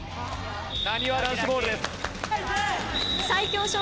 なにわ男子ボールです。